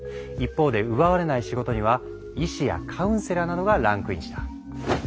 一方で奪われない仕事には医師やカウンセラーなどがランクインした。